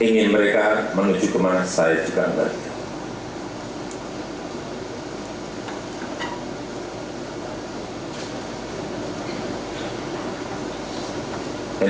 ingin mereka menuju kemana saya juga enggak